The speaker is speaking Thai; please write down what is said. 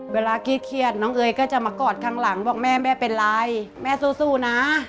ขี้เครียดน้องเอ๋ยก็จะมากอดข้างหลังบอกแม่แม่เป็นไรแม่สู้นะ